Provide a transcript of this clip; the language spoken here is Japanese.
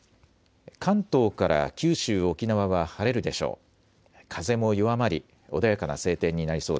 関東から九州、沖縄は晴れるでしょう。